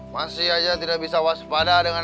masih aja tidak bisa waspada dengan